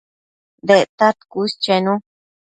Dectad cuës chenu